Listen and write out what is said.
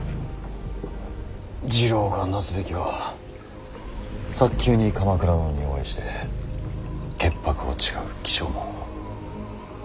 次郎がなすべきは早急に鎌倉殿にお会いして潔白を誓う起請文を。